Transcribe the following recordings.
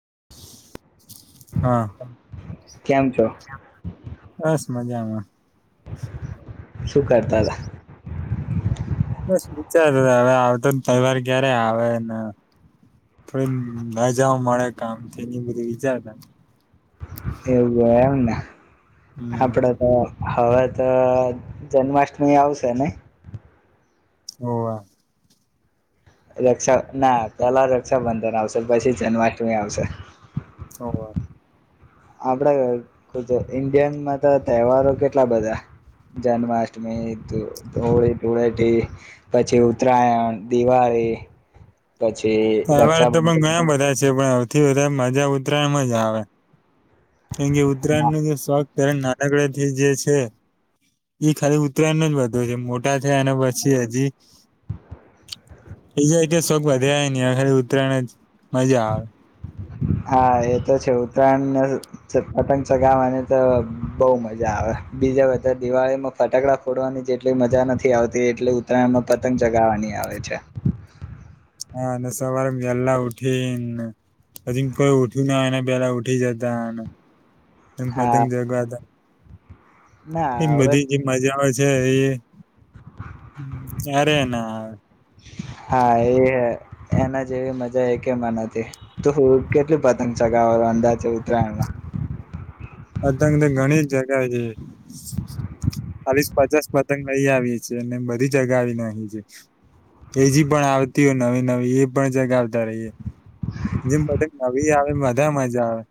[unintelligible] હા. કેમ છો? બસ મજામાં. શું કરતા હતા. બસ વિચાર હવે આવતો તહેવાર ક્યારે આવેને થોડી રજ મળે કામ એ બધું વિચારતા એ વના હમ આપડે તો હવે તો જન્માષ્ટમી આવશે ને હો વા રક્ષા ના પેલા રક્ષાબંધન આવશે પછી જન્માટમી આવશે. ખબર. આપણા ઇન્ડિયનમાં તો તહેવારો કેટલા બધા જન્માષ્ટમી, હોળી, ધુળેટી પછી ઉત્તરાયણ, દિવાળી પછી રક્ષાબ પણથી વધારે મજા ઉતરાયણ જ આવે હે ઉતરાણ સ્વા ત્યારે નાનકડ થી જે છે ખાલી ઉત્તરાયણ ન જ વધો છે, મોટા થયા અને પછી હજી એઈ જાય કે શોખ વધે. ત્યાં ખાલી ઉતરાયણ જ મજા આવે. હા એ તો છે ઉત્તરાયણને પતંગ ચગાવવાની તો બહુ મજા આવે બીજા બધા દિવાળીમાં ફટાકડા ફોડવાની જેટલી મજા નથી આવતી એટલી ઉત્તરાયણમાં પતંગ ચગાવાની આવે છે. હા અને સવારે વેલા ઉઠીને પછી કોઈ ઉઠ્યું ના હોયને પેલા ઉઠી જતાને. એમ હા મધંગ જગ આ એ ના હવે બધી જે મજા આવે છે છે એ અરે ના હા એ એના જેવી મજા એ કેમાં નથી તું કેટલી પતંગ ચગાવ અંદાજ ઉત્તરાયણમાં પતંગ તો ઘણી જગા છે ચાલીસ પચાસ પતંગ લઈ આવી છે બધી જગા આવી નાખી છે એજી પણ આવતી હોય નવીન નવી એ પણ જગ આવતા રહીયએ જેમ બધા નવી આવે બધા મજા આવે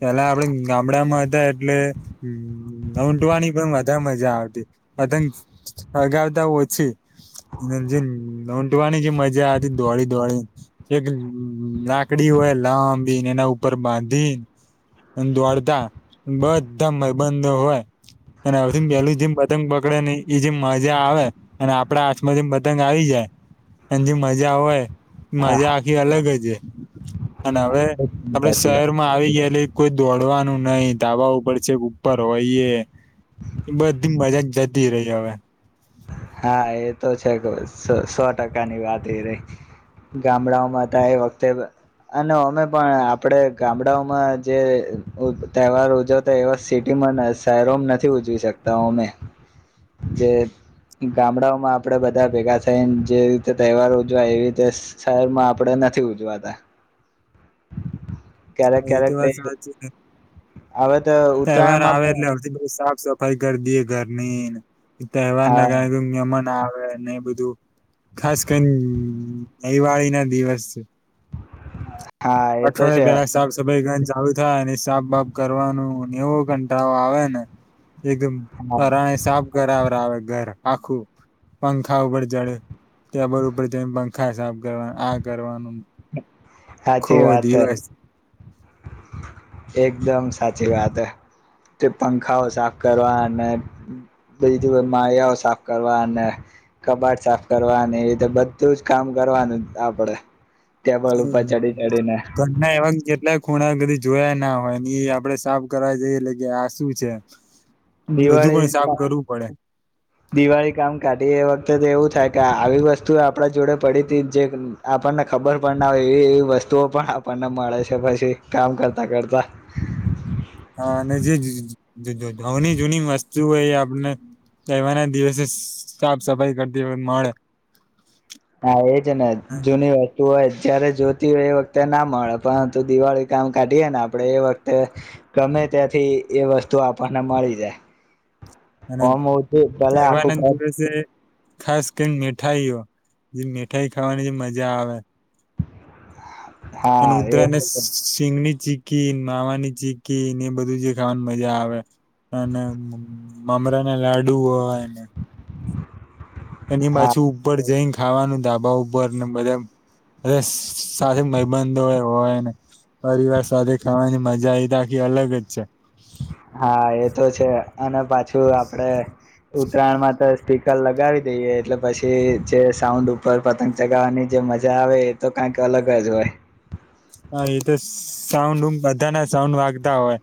પેલા આપડે ગામડામાં લઊંટવાની પણ વધારે મજા આવતી પતંગ સગાવતા ઓછી અને જે લઊંટવાની જે મજા આવતી દોડી દોડી એક લાકડી હોય લાંબીને એના ઉપર બાંધી દોડતા બધા મબંધો હોય અને અથી પેલું જેમ પતંગ પકડે ને એ જેમ મજા આવે અને આપડા હાથમાં જેમ પતંગ આવી જાય અને જેમ મજા હોય હા મજા હા આખી અલગ છે અને હવે એકદમ આપડે સાચી વાત શહેરમાં આવી ગયેલી કોઈ દોડવાનું નહીિ દાવા ઉપર છે ઉપર હોઈએ બસ દીમ બાજક જ ધીરેહીજવે હા એ તો છે સો ટકા ની વાત એ રહી ગામડાઓમાં ત એ વખતે અને અમે પણ આપડે ગામડાઓમાં જે તહેવાર ઉજવતા એવા સિટીમાં શહેરોમાં નથી ઉજવી શકતા અમે જે ગામડાઓમાં આપડે બધા ભેગા થઈને જે રીતે તહેવાર ઉજવાય એવી રીતે શહેરમાં આપણે નથી ઉજવાતા ક્યારેક એ તો ક્યારેક વાત સાચી છે. હવે તો તહેવાર ઉત્તરાયણમાં આવે પણ એટલે અધ સફાઈ કર દએ ઘરની તહેવાર હા ના ગાય મ ના એ બધું ખાસ કરીને દિવાળી ના દિવસ છે હા એ તો અઠવાડિયા છે પહેલા સાફ સફાઈ ગ ચાલું થાય અને સાફ બાફ કરવાનું નેવો ઘંટા આવે ને એકદમ હા પરાણે સાફ કરબર આવે ઘર આખું પંખા ઉપર ચડે ટબર ઉપર જને પંખા સાફ કરવા આ કરવાનું ખો હાચી વાત દિવસ એકદમ સાચી વાત હ તે પંખાઓ સાફ કરવા અને બીજું માળયાઓ સાફ કરવા અને કબાટ સાફ કરવા અને એ રીતે બધું જ કામ કરવાનું આપડે ટેબલ ઉપર હમ ચડી ચડીને ઘરના એવા જેટલા ખૂણા કદીી જોયા ના હોય એ આપડે સાફ કરવા જઈએટલે કે આ શું છે બધું દિવાળી પણ સાફ કરવું પડે દિવાળી કામ કાઢી એ વખ અ તો એવું થાય કે આવી વસ્તુ આપડા જોડે પડી હતી જે આપણને ખબર પણ ના હોય એવી એવી વસ્તુઓ પણ આપણને મળે છે પછી કામ કરતા કરતા હા અને જે જની જૂની વસ્તુ હોય એ આપને રહેવાના દિવસે સાફ સફાઈ કરતી મળે હા એ છે ને જૂની વાત હોય જયારે જોતી હોય એ વખતે ના મળે પરંતુ દિવાળી કામ કાઢીએ ને આપડણે એ વખતે ગમે ત્યાંથી એ વસ્તુ આપણને મળી જાય અને કમ હઉ છેું તલે આખું તહેવારના ક દિવસે ખાસ કરીને મઠાઈઓ જે મઠાઈ ખાવાની જે મજા આવે અને હા એ ઉધરા અને સિંગની ચીકી માવાની ચીકી એ બધું જ ખાવાની મજા આવે અને મામરા ના લાડુ હોયને એની હા પાછું ઉપર જઈ ખાવાનું ધાબા ઉપર ને બધા સાથે મબંધો હોય ને પરિવાર સાથે ખાવાની મજા એ ત આખી અલગ જ છે હા એ તો છે અને પાછું આપડે ઉતરાયણમાં તો સ્પીકર લગાવી દઈએ એટલે પછી જે સાઉન્ડ ઉપર પતંગ ચગાવવાની જે મજા આવે એ તો કંક અલગ જ હોય હા એ તો સાઉન્ડ બધા ના સાઉન્ડ વાગતા હોય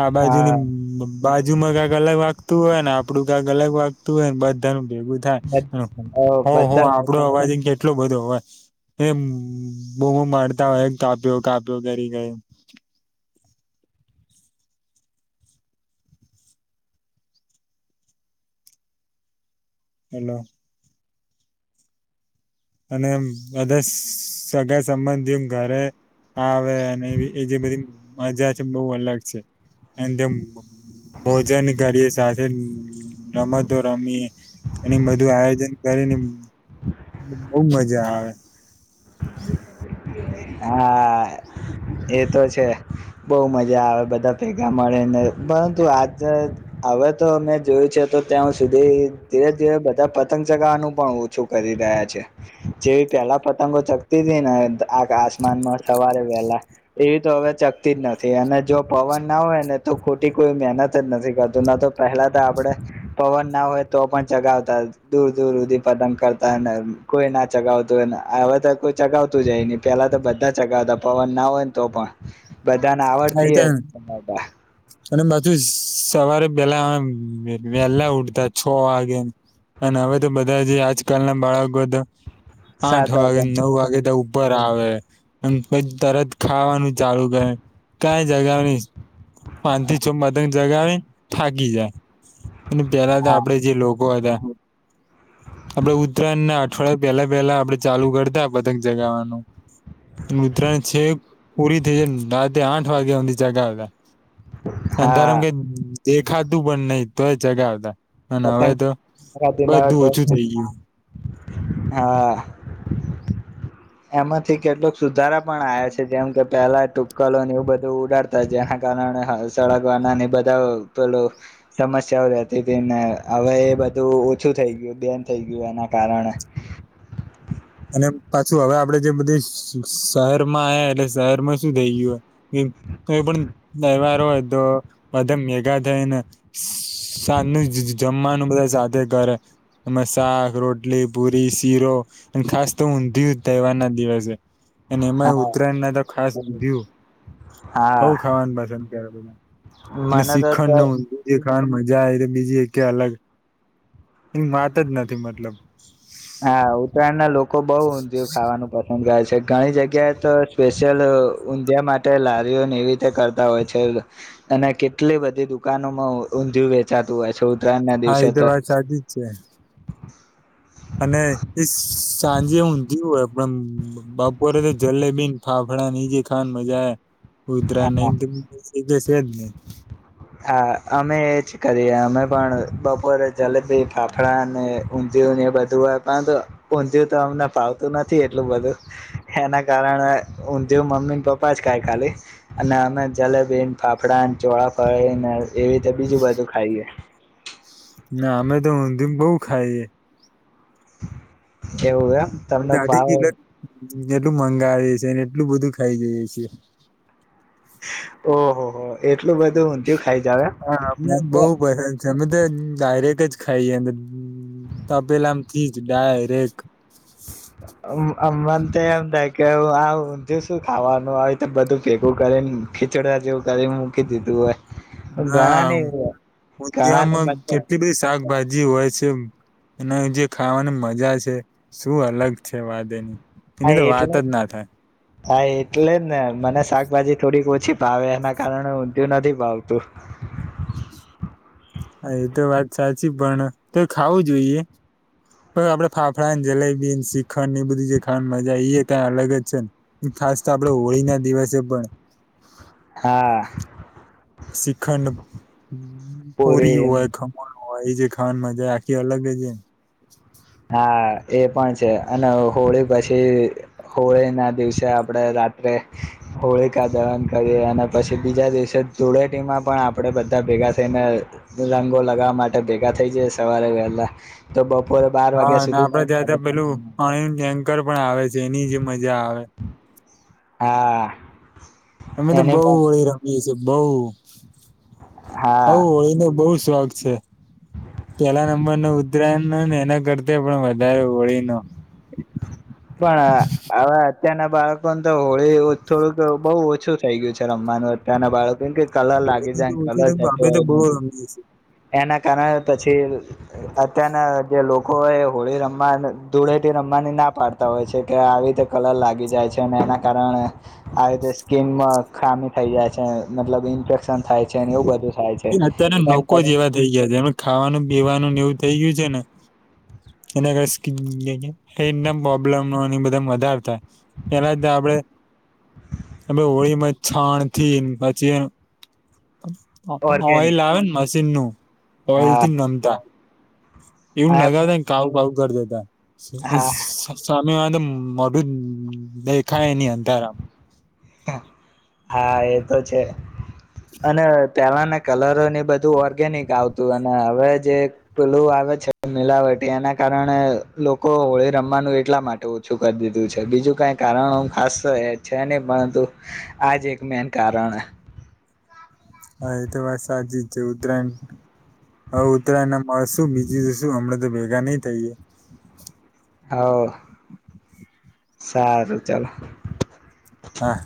આા બાજુની હા બાજુમાં કક અલગ વા તું હોય ને આપડું ક્યાંક અલગ વાગતું હોય ને બધા ભેગું બધા થાય હો આપડો બધા અવાજ બધા કેટલો બધો હોય એ બોમો મારતા હોય કાપ્યો કાપ્યો કરી ગયો હેલો અને બધા સગા સંબંધી ઘરે એ જે બધી મજા છે બહુ અલગ છે અને તેમ ભોજન કરીએ સાથે રમતો રમીએ એ બધું આયોજન કરીને બહ મજા આવે હા એ તો છે બહુ મજા આવે બધા ભેગા મળેને પરંતુ આજ હવે તો મેં જોયું છે તો ત્યાં સુધી ધીરે ધીરે બધા પતંગ ચગાવવાનું પણ ઓછું કરી રહ્યા છે જેવી પેલા પતંગો આ મનમાં સવારે વહેલા એવી તો હવે ચગતી જ નથી અને જો પવન ના હોય ને તો ખોટી કોઈ મહેનત જ નથી કરતું ન તો પહેલા તો આપણે પવન ના હોય તો પણ ચગાવતા દૂર દૂર સુધી પતંગ કરતા કોઈ ના ચગાવતું હોયને હવે તો કો ચગાવતું જાય નહ પેલા તો બધા ચગાવતા પવન ના હોય ને તો પણ બધાને આવડતી હતી તમા અને પાછું સવારે પેલા આમ વેલા ઉઠતા છ વાગેને અને હવે તો બધા જે આજકાલના બાળકો તો આઠ સાતા વાગેને પણ નવ વાગે તે ઉભ ઉપર આવે અને પછ તરત ખાવાનું ચાલુ થાય થી છ પતંગ જગાવી થાકી જાય. અને પેલા તો હા આપડે જે લોકો હતા. આપણે ઉત્તરાયણના અઠવાડિયા પેલા પેલા આપણે ચાલુ કરતા પતંગ ચગાવાનું ઉતરાયણ છે પૂરી થઈ જાય [inaudible] તે આઠ વાગ્યા હુધી ચગાવ્યા. હા અંધારામાં કાંઈ દેખાતું પણ નહી તોય ચગાવતા. અને હવે પતંગ તો બધું તો થઈગી. હા એમાંથી કેટલોક સુધારા પણ આયા છે. જેમ કે પેલા તુક્કલોને એવું બધું ઉડાડતા જેના કારણે સળગવાનાને એ બધા પેલું સમસ્યાઓ રહેતી તી ને હવે એ બધું ઓછું થઈ ગયું બેન થઈ ગયું એના કારણે ને પાછું હવે આપડે જે બધી શહેરમાં આયા એટલે શહેરમાં શું થઈ ગયું હે કે કોઈપણ તહેવાર હોય તો બધા મેગા થઈને સાજનું જ જમવાનું બધા સાથે કરે એમાં શાક, રોટલી, પુરી, શીરો અને ખાસ તો ઊંધિયું જ તહેવારના દિવસે અને એમાં એ હા ઉત્તરાયણના તો ખાસ ઊંધિયું બહુ હા ખાવાનું પસંદ ત્યારે બધા અને મને તો તો શીખણને ઊંધિયું ખાવાની મજા આઈ તો બીજી એકે અલગ એમ વાત જ નથી મતલબ હા ઉત્તરાયણના લોક કો બહુ ઊંધિયું ખાવાનું પસંદ કરે છે. ઘણી જગ્યાએ તો સ્પેશિયલ ઊંધિયા માટે લારીઓને એવી રીતે કરતા હોય છે. અને કેટલી બધી દુકાનોમાં ઊંધિયું વેચાતું હોય છે. ઉત્ત હા એ તો વાત સાચી જ છે. અને પન બપોરે તો જલેબીને ફાફળાને ઈ જે ખાવાની મજા હે ઉધરા હા નહીં [inaudible] એ જસે જ નહીં. હા અમે એજ કરીએ અ અમે પણ બપોરે જલેબી, ફાફડા અને ઊંધિયુંને એ બધું હોય પરંતુ ઊંધિયું તો અમને ફાવતું નથી એટલું બધું એના કારણે ઊંધિયું મમ્મીને પપ્પા જ ખાય ખાલી અને અમે જલેબીને, ફાફડાને, ચોળા ફળીને એવી રીતે બીજું બધું ખાઈએ ના અમે તો ઉંધીયુને બહુ ખાઈએ. એવું એમ તમને અઢી ભાવ કિલો એટલું મંગાવે સે ને એટલું બધું ખાઈ જઈએ છેીએ. ઓહ હ એ હા અમને બહ તો બરજ અમે તો ડાયરેક્ટ જ ખાઈ તપેલામ થી જ ડાયરેક અમમને તો એમ થાય કે હ જો શું ખાવાનું હો તો બધું ભેગું કરીને ખીચડ જેવું કરીને મૂકી દીધું હોય. ઘણા હા ને ઉ ઘણા ને તિયામાં મજા કેટલી બધી શાકભાજી જી હોય છે અને જે ખાવાની મજા છે શું અલગ છે વાદ એની. હા એની તો વાત એટલે જ ના થાય હા એટલે જ ને મને શાકભાજી થોડીક ઓ છી પાવે એના કારણે ઊંધિું નથી પાવતું. હ હા એ તો વાત સાચી પણ તો ખાવું જોઈએ. પન આપડે ફાફડા ને જલેયબી શ્રીખંડ એ બધી જે ખાવા મજા એ ક્યાં અલગ જ છે ને ખાસ તો આપડે હોળી ના દિવસે પણ. હા. શિખંડ પૂરી પુરી હોય ખમ હોય એ જે ખાવાની મજા આખી અલગ એમ. હા એ પણ છે અને હોળી પછી હોળી ના દિવસે આપડે રાત્રે હોળીકા દવન કરીએ અને પછી બીજા દિવસે ધૂળેટીમાં પણ આપણેે બધા ભેગા થઈને રંગો લગાવવા માટે ભેગા થઈ જઈ સવારે વહેલા તો બપોરે બાર હા વાગ્યા અને સુધી આપડે ત્યાં ત્યાં પેલું પણ અણંદ એન્કર પણ આવે છે. જેની જે મજા આવે. હા. અમે તો એની બઉુ પણ ઓળી રમીએ છીએ. બોવ હા હવ એનો બહુ સ્વાદ છે પેલા નંબર ન ઉતરાયણ ન ને એના કરતા પણ વધારે હોળી ન. તેના બાળકોને તો હોળી થોડુંક બહુ ઓછું થઈ ગયું છે રમવાનું અત્યંના બાળકો કે કલર લાગી બને તો જાય ઓછું કલર છે અમે જતો તો બહુ હોય રમીએ છીએ. એના કારણે છે અત્યારના જે લોકો એ હોળી રમવાન ધૂળેથી રમવાની ના પાડતા હોય છે કે આવી રીતે કલર લાગી જાય છે અને એના કારણે આવી રીતે સ્કીિન ખામી થઈ જાય છે મતલબ ઈન્ફેક્શન થાય છે એવું બધું. થાય છે. કોઈ કરીને જે વા થઈ ગયા છે એમ ખાવાનું પીવાનું એવું થઈ ગયું છે ને. [unintelligible] એના [unintelligible] કઈ ને પ્રોબ્લેમ ને બધા વધારે થાય પેલા ત આપણેે હોળીમાં છાણ થી પછી ઓઈલ ઓર્ગેનિક આવેન ને મસ્ સીનું હા ઓઈલથી નનતા [unintelligible] હા કાળુ કાળુ કર દેતા. હા સબ સા ને આ તેં મોઢું દેખાય ની અંધારામ હા એ તો છે અને પહેલાને કલરો ની બધું ઓર્ગેનિક આવતું અને હવે જે પલું આવે છે મિલાવટી એના કારણે લોકો હોળી રમવાનું એટલા માટે ઓછું કરી દીધું છે બીજું કઈ કારણ ખાસ છે નહી પણ તો આ જ એક મેન કારણ હે. હા એ તો વાત સાચી જ છે ઉત્તરાયણ હવે ઉત્તરાયણ મળ શું બીજું શું હમણા તો ભેગા નઈ થઈએ. હવ સારું ચાલ. હા.